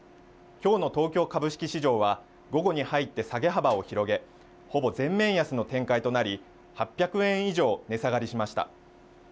きょうの東京株式市場は午後に入って下げ幅を広げほぼ全面安の展開となり８００円以上値下がりしました。